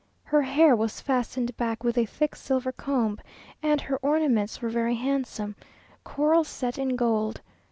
Her hair was fastened back with a thick silver comb, and her ornaments were very handsome, coral set in gold.